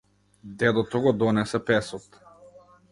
Дедото го донесе песот.